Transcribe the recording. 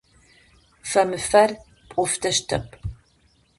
Фэмыфыр пӏофтэщтэп.